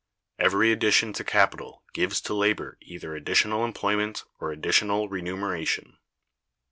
Every addition to capital gives to labor either additional employment or additional remuneration.